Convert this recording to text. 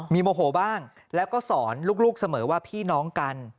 มีโมโหบ้างแล้วก็สอนลูกเสมอว่าพี่น้องกัน